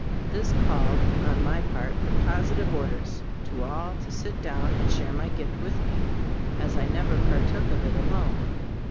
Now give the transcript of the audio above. This called, on my part, for positive orders to all to sit down and share my gift with me, as I never partook of it alone.